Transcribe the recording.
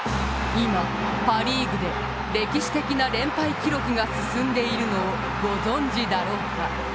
今、パ・リーグで歴史的な連敗記録が進んでいるのをご存じだろうか。